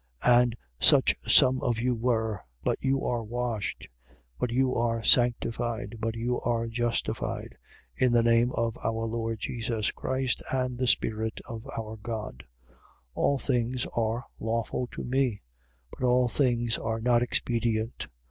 6:11. And such some of you were. But you are washed: but you are sanctified: but you are justified: in the name of our Lord Jesus Christ and the Spirit of our God. 6:12. All things are lawful to me: but all things are not expedient.